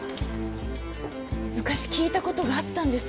昔聞いた事があったんです。